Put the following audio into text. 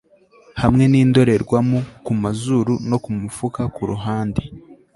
Hamwe nindorerwamo kumazuru no kumufuka kuruhande